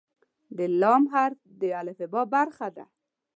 د "ل" حرف د الفبا برخه ده.